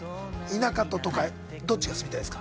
田舎と都会どっちが住みたいですか？